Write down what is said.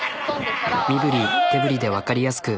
身振り手振りでわかりやすく。